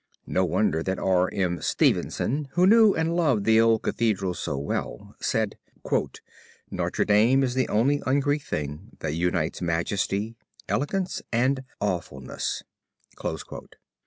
No wonder that R. M. Stevenson, who knew and loved the old Cathedral so well, said: "Notre Dame is the only un Greek thing that unites majesty, elegance, and awfulness."